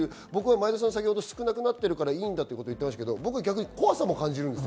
前田さんは先ほど少なくなってるからいいと言っていましたが、逆に怖さも感じます。